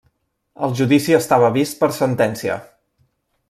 El judici estava vist per sentència.